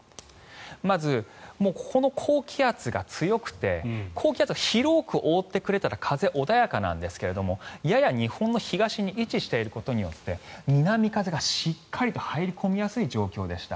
まず、ここの高気圧が強くて高気圧が広く覆ってくれたら風、穏やかなんですけどやや日本の東に位置していることによって南風がしっかりと入り込みやすい状況でした。